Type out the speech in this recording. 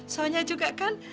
soalnya juga kan